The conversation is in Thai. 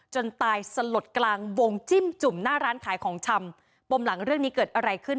จนตายสลดกลางวงจิ้มจุ่มหน้าร้านขายของชำปมหลังเรื่องนี้เกิดอะไรขึ้น